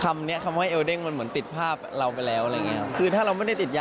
แอบซับไปเรื่อย